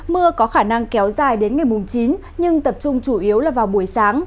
mưa có khả năng kéo dài đến ngày mùng chín nhưng tập trung chủ yếu là vào buổi sáng